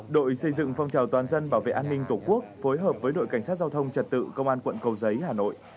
đội xây dựng phong trào toàn dân bảo vệ an ninh tổ quốc phối hợp với đội cảnh sát giao thông trật tự công an quận cầu giấy hà nội